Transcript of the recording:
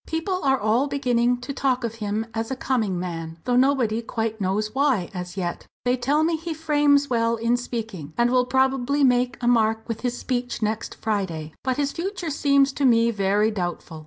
"People are all beginning to talk of him as a coming man, though nobody quite knows why, as yet. They tell me he frames well in speaking, and will probably make a mark with his speech next Friday. But his future seems to me very doubtful.